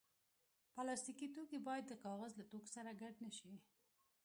پلاستيکي توکي باید د کاغذ له توکو سره ګډ نه شي.